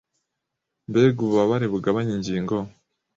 mbega ububabare bugabanya ingingo